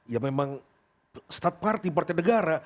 ya memang start party partai negara